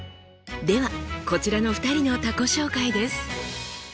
ではこちらの２人の他己紹介です。